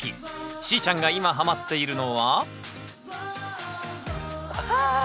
しーちゃんが今ハマっているのははあ！